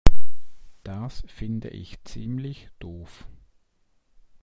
Das finde ich ziemlich doof.